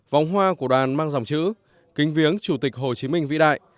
vòng hoa của đoàn mang dòng chữ kính viếng chủ tịch hồ chí minh vĩ đại